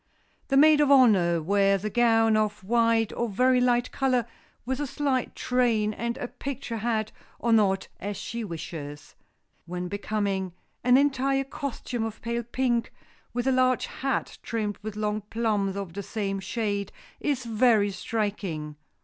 The maid of honor wears a gown of white or very light color, with a slight train, and a picture hat, or not, as she wishes. When becoming, an entire costume of pale pink, with a large hat trimmed with long plumes of the same shade, is very striking.